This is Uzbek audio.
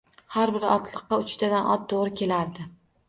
Har bir otliqqa uchtadan ot to`g`ri kelardi